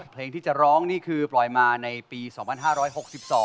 เพลงที่จะร้องนี่คือไพรนาฬิกาค